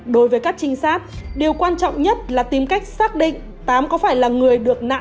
đối với các trinh sát điều quan trọng nhất là tìm cách xác định tám có phải là người được nặng